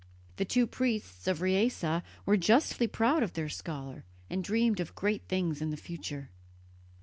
The two priests of Riese were justly proud of their scholar, and dreamed of great things in the future.